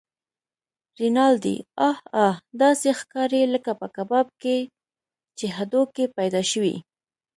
رینالډي: اه اه! داسې ښکارې لکه په کباب کې چې هډوکی پیدا شوی.